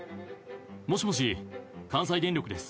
もしもし関西電力です。